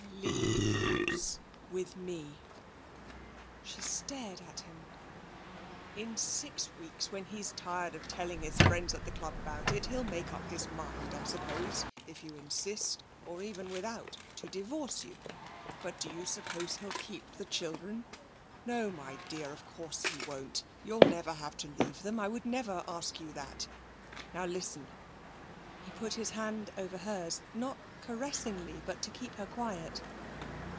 Leave Bruce, with me!' She stared at him. 'In six weeks, when he's tired of telling his friends at the club about it, he'll make up his mind, I suppose, if you insist, or even without, to divorce you. But do you suppose he'll keep the children? No, my dear of course he won't. You'll never have to leave them. I would never ask you that. Now listen!' He put his hand over hers, not caressingly, but to keep her quiet.